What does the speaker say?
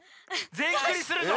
ぜんクリするぞ。